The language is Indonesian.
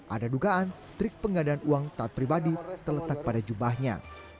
ada dugaan trik penggadaan uang taat pribadi terletak pada jubahnya